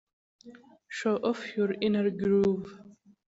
Show off your inner groove.